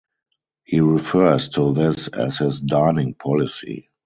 He refers to this as his "dining policy".